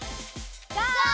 ゴー！